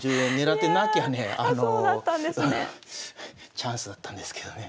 チャンスだったんですけどね。